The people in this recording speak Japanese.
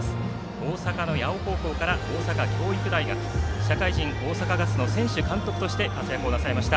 大阪の八尾高校から大阪教育大学社会人、大阪ガスの選手、監督として活躍なさいました。